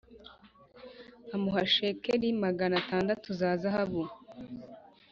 Amuha shekeli magana atandatu za zahabu